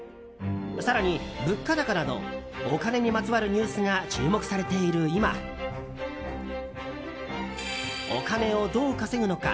更に、物価高などお金にまつわるニュースが注目されている今お金をどう稼ぐのか？